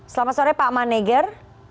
selamat sore pak maneger